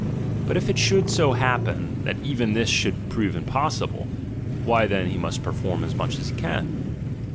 But if it should so happen, that even this should prove impossible, why then he must perform as much as he can.